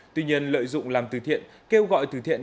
tuy nhiên lợi dụng làm từ thiện kêu gọi từ thiện